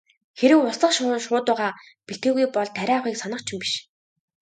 Хэрэв услах шуудуугаа бэлтгээгүй бол тариа авахыг санах ч юм биш.